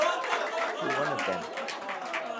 To one of them.